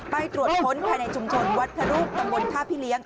ไปตรวจค้นภายในชุมชนวัดพระรูปตำบลท่าพี่เลี้ยง